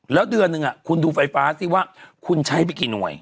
แล้วเดือนหนึ่งคุณดูไฟฟ้าสิว่าคุณใช้ไปกี่หน่วย